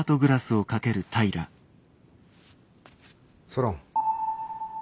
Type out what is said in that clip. ソロン。